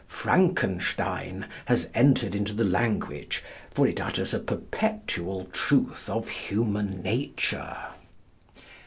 "Frankenstein" has entered into the language, for it utters a perpetual truth of human nature.